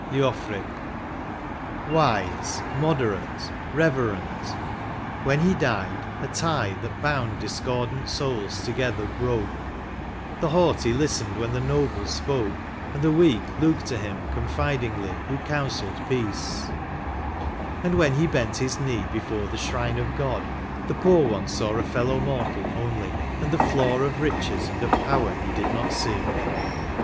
LEOFRIC. Wise, moderate, reverent I — when he died, a tie That bound discordant souls together broke ; The haughty listened when the noble spoke, And the weak looked to him confidingly Who counselled peace; and when he bent his knee Before the shrine of God, the poor one saw A fellow mortal only, and the flaw Of riches and of power he did not see.